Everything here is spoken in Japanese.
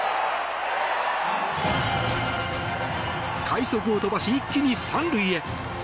快足を飛ばし、一気に３塁へ。